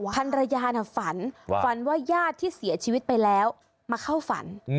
ภรรยาน่ะฝันฝันว่าญาติที่เสียชีวิตไปแล้วมาเข้าฝัน